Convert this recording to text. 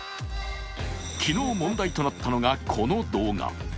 昨日問題となったのがこの動画。